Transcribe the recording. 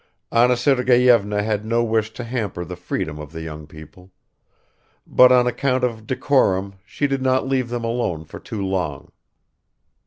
Anna Sergeyevna had no wish to hamper the freedom of the young people, but on account of decorum she did not leave them alone for too long.